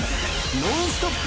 ノンストップ！